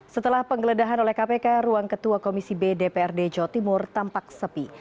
setelah penggeledahan oleh kpk ruang ketua komisi b dprd jawa timur tampak sepi